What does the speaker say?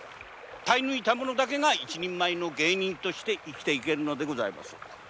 耐え抜いた者だけが一人前の芸人として生きていけるのでございます。